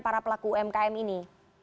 para pelaku umkm ini